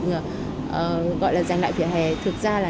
gọi là giành lại vỉa hè thực ra là